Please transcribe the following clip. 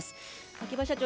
秋葉社長